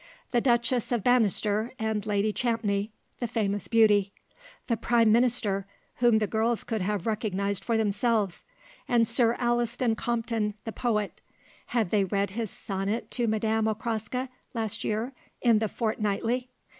The Duchess of Bannister and Lady Champney, the famous beauty; the Prime Minister, whom the girls could have recognized for themselves, and Sir Alliston Compton, the poet. Had they read his sonnet to Madame Okraska, last year, in the "Fortnightly"?